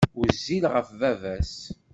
Wezzil ɣef baba-s.